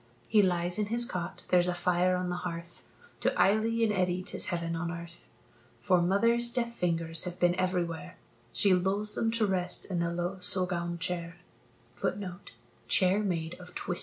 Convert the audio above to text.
He lies in his cot, there's a fire on the hearth; To Eily and Eddy 'tis heaven on earth, For mother's deft fingers have been everywhere; She lulls them to rest in the low suggaun chair.